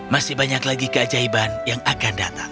masih banyak lagi keajaiban yang akan datang